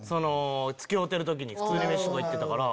付き合うてる時に普通にめし食いに行ってたから。